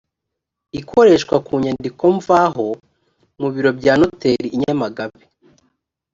ikoreshwa ku nyandiko mvaho mu biro bya noteri i nyamagabe